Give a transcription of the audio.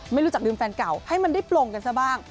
ไม่รู้จักลืมแฟนเก่าให้มันได้ปลงกันซะบ้าง